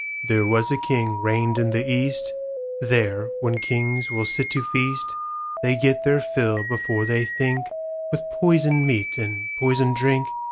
There was a king reigned in the East:There, when kings will sit to feast, They get their fill before they thinkWith poisoned meat and poisoned drink.